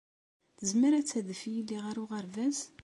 Tezmer ad tadef yelli ɣer uɣerbaz?